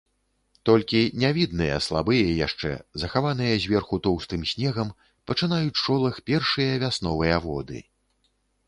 Толькі нявідныя, слабыя яшчэ, захаваныя зверху тоўстым снегам, пачынаюць шолах першыя вясновыя воды.